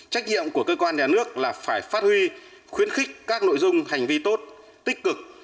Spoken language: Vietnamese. trách nhiệm của cơ quan nhà nước là phải phát huy khuyến khích các nội dung hành vi tốt tích cực